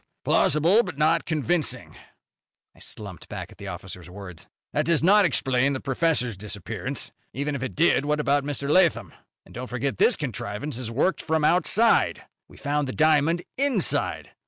"Humph! Plausible but not convincing." I slumped back at the officer's words. "That does not explain the professor's disappearance. Even if it did, what about Mr. Lathom? And don't forget this contrivance is worked from outside. We found the diamond inside.